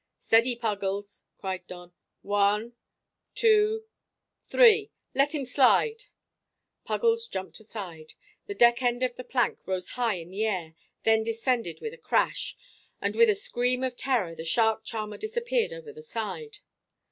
"Steady, Puggles!" cried Don. "One, two, three let him slide!" Puggles jumped aside, the deck end of the plank rose high in air, then descended with a crash; and with a scream of terror the shark charmer disappeared over the side.